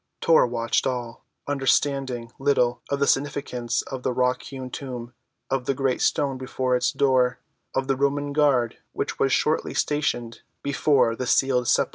Tor watched all, understanding little of the significance of the rock‐hewn tomb, of the great stone before its door, of the Roman guard which was shortly stationed before the sealed sepulchre.